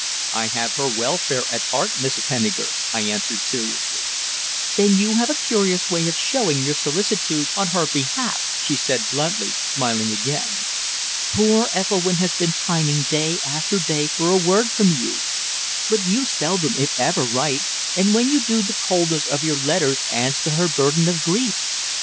"I have her welfare at heart, Mrs. Henniker," I answered seriously. "Then you have a curious way of showing your solicitude on her behalf," she said bluntly, smiling again. "Poor Ethelwynn has been pining day after day for a word from you; but you seldom, if ever, write, and when you do the coldness of your letters adds to her burden of grief.